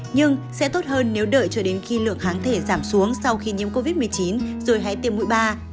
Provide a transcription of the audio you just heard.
nhưng sẽ tốt hơn nếu đợi cho đến khi lượng kháng thể giảm xuống sau khi nhiễm covid một mươi chín rồi hãy tiêm mũi ba